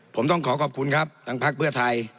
ผมต้องขอขอบคุณครับทางพักเพื่อไทย